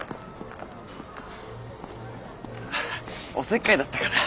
ハハおせっかいだったかな。